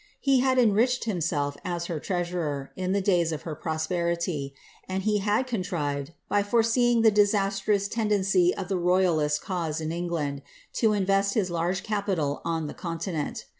He had enriched himself, as her treasurer, in the days of her prosperity ; and he had con trifcd, by foreseeing the disastrous tendency of the royalist cause in Engfamd, to invest his large capital on the continent.